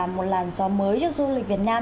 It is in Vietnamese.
một làn gió mới cho du lịch việt nam